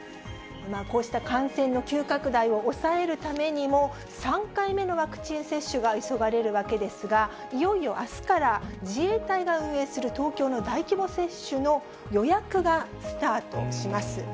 こうした感染の急拡大を抑えるためにも、３回目のワクチン接種が急がれるわけですが、いよいよあすから自衛隊が運営する東京の大規模接種の予約がスタートします。